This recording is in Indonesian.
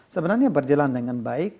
sebenarnya berjalan dengan baik